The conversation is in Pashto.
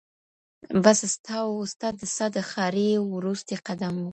بس ستا و، ستا د ساه د ښاريې وروستی قدم و.